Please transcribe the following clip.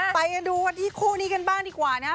ไปดูว่านี้คู่นี้กันบ้างดีกว่านะ